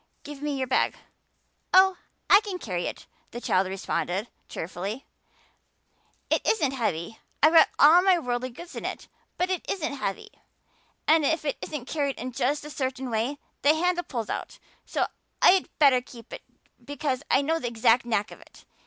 Give me your bag." "Oh, I can carry it," the child responded cheerfully. "It isn't heavy. I've got all my worldly goods in it, but it isn't heavy. And if it isn't carried in just a certain way the handle pulls out so I'd better keep it because I know the exact knack of it.